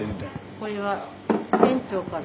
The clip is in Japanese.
これは店長から。